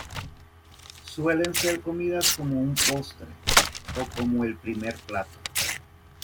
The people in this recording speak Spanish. Suelen ser comidas como un postre o como el primer plato.